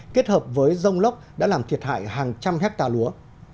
kết hợp với rông lốc đã làm thiệt hại hàng trăm hectare lúa